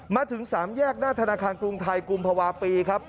มาถึง๓แยกหน้าธนาคารกรุงไทยกุมภาวะปีครับ